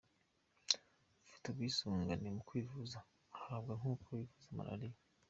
Ufite ubwisungane mu kwivuza aruhabwa nk’uko yivuza malariya.